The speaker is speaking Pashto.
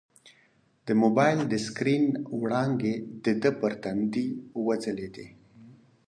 د موبایل د سکرین وړانګې د ده پر تندي وځلېدې.